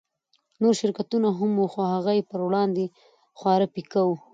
نور شرکتونه هم وو خو هغه يې پر وړاندې خورا پيکه وو.